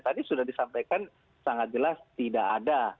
tadi sudah disampaikan sangat jelas tidak ada